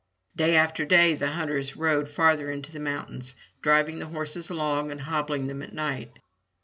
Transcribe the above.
Day after day the hunters rode farther into the mountains, driving the horses along and hobbling them at night.